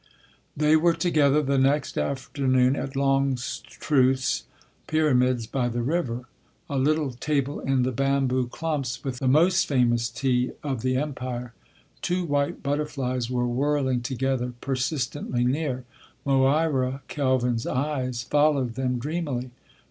They were together the next afternoon at Longstruth’s Pyramids by the river, a little table in the bamboo clumps with the most famous tea of the Empire. Two white butterflies were whirling together persistently near. Moira Kelvin’s eyes followed them dreamily.